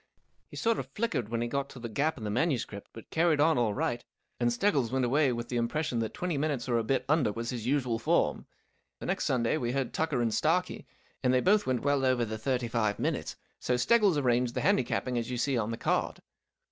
He sort of flickered when he got to the gap in the manuscript, but carried on all right, and Steggles went away with the impression that twenty minutes or a bit under was his usual form. The next Sunday we heard Tucker and Starkie, and they both went well over the thirty five minutes, so Steggles arranged the handicapping as you see on the card.